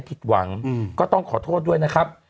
ผิดหวังก็ต้องขอโทษด้วยนะครับ